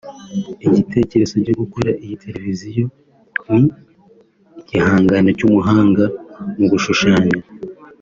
Igitekerezo cyo gukora iyi televiziyo ni igihangano cy’umuhanga mu gushushanya